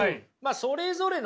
それぞれのね